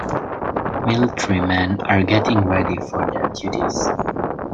Military men are getting ready for their duties.